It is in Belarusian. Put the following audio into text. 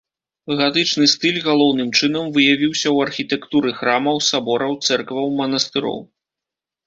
Гатычны стыль, галоўным чынам, выявіўся ў архітэктуры храмаў, сабораў, цэркваў, манастыроў.